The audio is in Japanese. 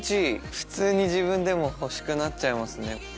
普通に自分でも欲しくなっちゃいますね。